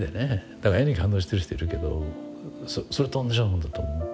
だから絵に感動してる人いるけどそれと同じようなもんだと思う。